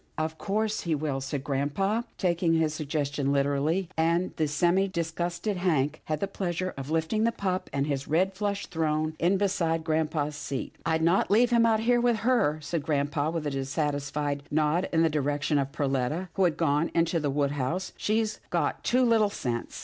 "Of course he will," said grampa, taking his sug gestion literally, and the semi disgusted Hank had the pleasure of lifting the pup and his red plush throne ih beside grampa's seat. " I'd not leave him out here with her," said grampa with a disdainful nod in the direction of Perletta, who had gone into the wood house. " She's got too little sense."